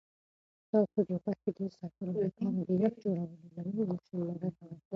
تاسو د غوښې د ساتلو لپاره د یخ جوړولو له نویو ماشینونو ګټه واخلئ.